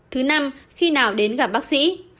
thứ năm khi nào đến gặp bác sĩ